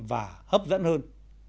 và hấp dẫn hơn